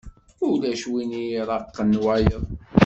Ulac win iraqen wayeḍ.